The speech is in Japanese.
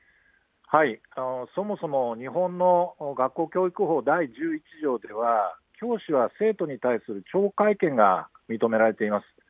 そもそも日本の学校教育法第１１条では、教師は生徒に対する懲戒権が認められています。